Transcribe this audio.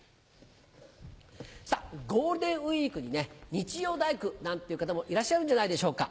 さっゴールデンウイークにね日曜大工なんていう方もいらっしゃるんじゃないでしょうか。